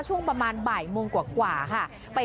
ช่วงประมาณบ่ายโมงกว่าค่ะ